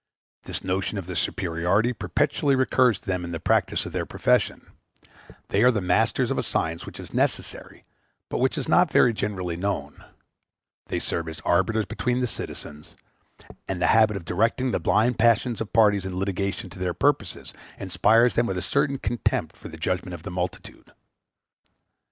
This notion of their superiority perpetually recurs to them in the practice of their profession: they are the masters of a science which is necessary, but which is not very generally known; they serve as arbiters between the citizens; and the habit of directing the blind passions of parties in litigation to their purpose inspires them with a certain contempt for the judgment of the multitude.